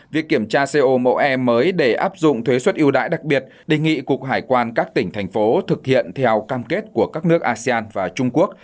việc kiểm tra co mẫu e mới để áp dụng thuế xuất yêu đại đặc biệt đề nghị cục hải quan các tỉnh thành phố thực hiện theo cam kết của các nước asean và trung quốc